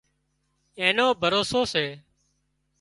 اين نو ڀروسو سي